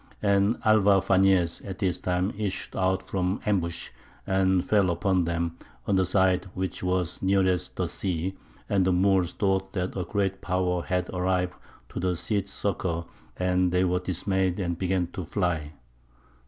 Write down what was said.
And Alvar Fañez at this time issued out from ambush, and fell upon them, on the side which was nearest the sea; and the Moors thought that a great power had arrived to the Cid's succour, and they were dismayed, and began to fly.